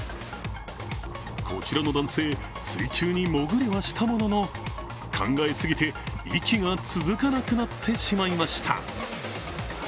こちらの男性、水中に潜りはしたものの考えすぎて息が続かなくなってしまいました。